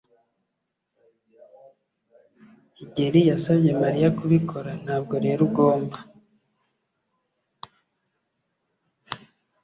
Kigeri yasabye Mariya kubikora, ntabwo rero ugomba.